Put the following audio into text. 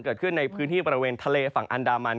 เกิดขึ้นในพื้นที่บริเวณทะเลฝั่งอันดามัน